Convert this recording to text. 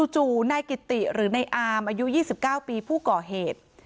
จู่นายกิติหรือในอามอายุ๒๙ปีผู้ก่อเหตุ